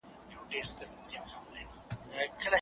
هغه خلک چې له نورو سره مرسته کوي، د قدر وړ دي.